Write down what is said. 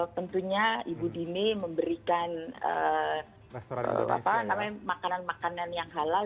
tentunya ibu dini memberikan makanan makanan yang halal